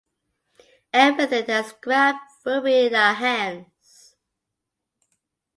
Everything that's grabbed will be in our hands.